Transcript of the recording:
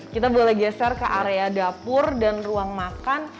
kita boleh geser ke area dapur dan ruang makan